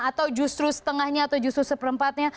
atau justru setengahnya atau justru seperempatnya